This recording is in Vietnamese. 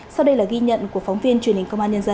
sau đây là ghi nhận của phóng viên truyền hình công an nhân dân